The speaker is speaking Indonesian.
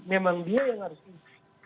memang dia yang harus di